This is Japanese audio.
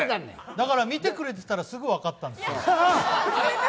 だから、見てくれてたらすぐ分かったんですよ。